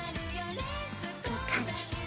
いい感じ。